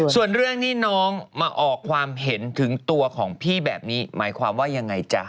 ส่วนเรื่องที่น้องมาออกความเห็นถึงตัวของพี่แบบนี้หมายความว่ายังไงจ๊ะ